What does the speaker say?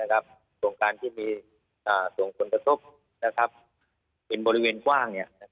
โครงการที่มีส่งผลกระทบเป็นบริเวณกว้าง